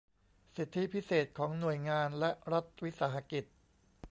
สิทธิพิเศษของหน่วยงานและรัฐวิสาหกิจ